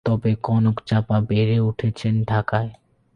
তবে কনক চাঁপা বেড়ে উঠেছেন ঢাকায়।